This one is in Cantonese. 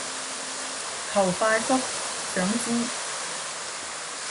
求快覆，想知